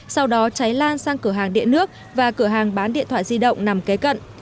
sau đó cháy lan sang cửa hàng điện nước và cửa hàng bán điện thoại di động nằm kế cận